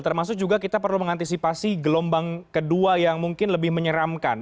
termasuk juga kita perlu mengantisipasi gelombang kedua yang mungkin lebih menyeramkan